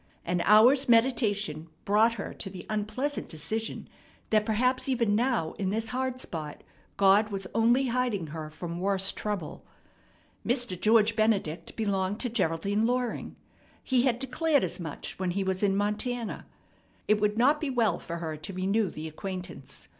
An hour's meditation brought her to the unpleasant decision that perhaps even now in this hard spot God was only hiding her from worse trouble. Mr. George Benedict belonged to Geraldine Loring. He had declared as much when he was in Montana. It would not be well for her to renew the acquaintance.